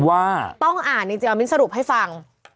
ว่าต้องอ่านจริงเอามิ้นสรุปให้ฟัง